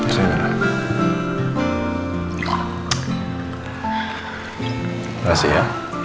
terima kasih ya